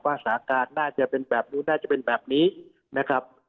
สาการน่าจะเป็นแบบนู้นน่าจะเป็นแบบนี้นะครับ